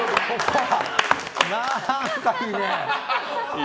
何かいいね。